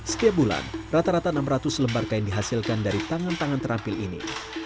setiap bulan rata rata enam ratus lembar kain dihasilkan dari tangan tangan terampil ini